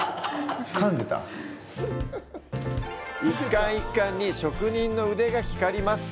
１貫１貫に職人の腕が光ります。